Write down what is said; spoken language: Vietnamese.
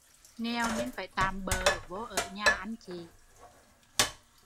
Nghèo nên phải tạm bợ vô ở nhà anh chị